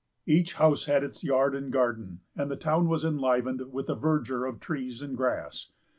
Each house had its yard and garden, and the town was enlivened with the verdure of trees and grass.